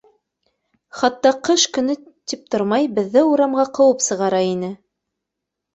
Хатта ҡыш көнө тип тормай беҙҙе урамға ҡыып сығара ине.